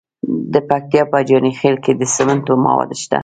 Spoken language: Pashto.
د پکتیا په جاني خیل کې د سمنټو مواد شته.